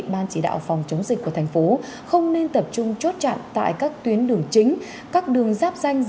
ban chỉ đạo phòng chống dịch của thành phố không nên tập trung chốt chặn tại các tuyến đường chính các đường giáp danh